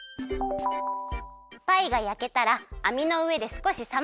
パイがやけたらあみのうえですこしさましておくよ。